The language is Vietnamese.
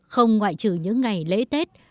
không ngoại trừ những ngày lễ tết